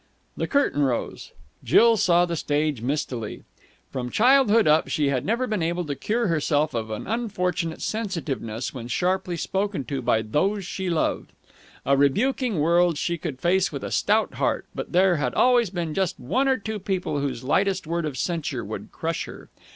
The curtain rose. Jill saw the stage mistily. From childhood up, she had never been able to cure herself of an unfortunate sensitiveness when sharply spoken to by those she loved. A rebuking world she could face with a stout heart, but there had always been just one or two people whose lightest word of censure could crush her.